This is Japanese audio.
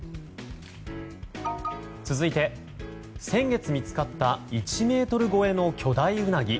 続いて、先月見つかった１ｍ超えの巨大ウナギ。